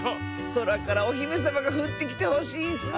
そらからおひめさまがふってきてほしいッスね！